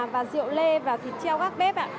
và rượu lê và thịt treo gác bếp